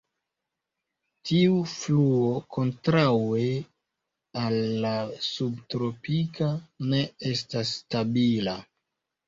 Tiu fluo, kontraŭe al la subtropika, ne estas stabila.